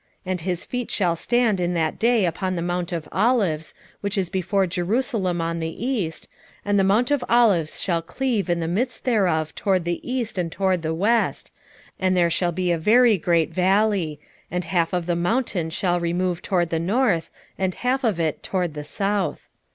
14:4 And his feet shall stand in that day upon the mount of Olives, which is before Jerusalem on the east, and the mount of Olives shall cleave in the midst thereof toward the east and toward the west, and there shall be a very great valley; and half of the mountain shall remove toward the north, and half of it toward the south.